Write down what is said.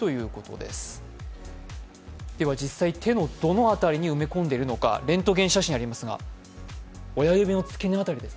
では実際、手のどの辺りに埋め込んでいるのか、レントゲン写真がありますが、親指の付け根あたりです